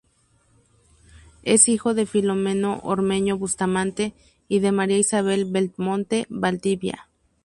Es hijo de "Filomeno Ormeño Bustamante" y de "María Isabel Belmonte Valdivia".